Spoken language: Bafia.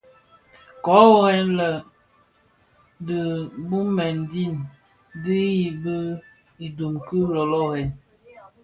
Köö worrè lè, di bubmèn din didhi idun ki lölölen.